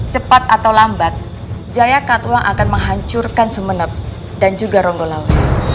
cepat atau lambat jaya katuang akan menghancurkan sumeneb dan juga ronggolan